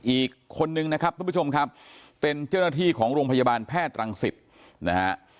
อีกคนนึงนะครับทุกผู้ชมครับเป็นเจ้าหน้าที่ของโรงพยาบาลแพทย์รังสิตนะฮะ